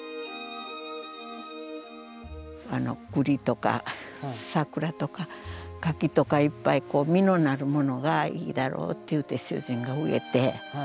栗とか桜とか柿とかいっぱい実のなるものがいいだろうって言うて主人が植えて。